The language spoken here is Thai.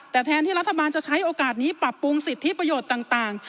แต่แทนที่รัฐบาลจะใช้โอกาสนี้ปรับปรุงสิทธิประโยชน์ต่าง